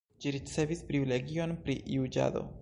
Ĝi ricevis privilegion pri juĝado.